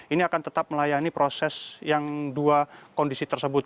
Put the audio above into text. ini akan tetap melayani proses yang dua kondisi tersebut